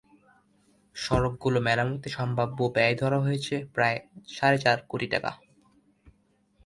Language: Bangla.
সড়কগুলো মেরামতে সম্ভাব্য ব্যয় ধরা হয়েছে প্রায় সাড়ে চার কোটি টাকা।